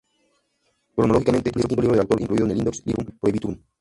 Cronológicamente, es el quinto libro del autor incluido en el "Index librorum prohibitorum".